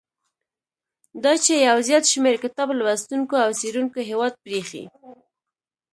دا چې یو زیات شمیر کتاب لوستونکو او څېړونکو هیواد پریښی.